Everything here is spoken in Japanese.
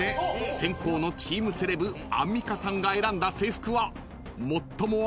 ［先攻のチームセレブアンミカさんが選んだ制服は最も新しいのか？］